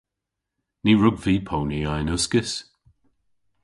Ny wrug vy ponya yn uskis.